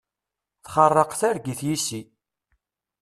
Txerreq targit yis-i.